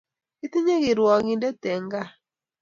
Kitinye kirwakindet end gaa